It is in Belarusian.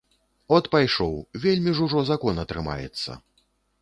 От пайшоў, вельмі ж ужо закона трымаецца.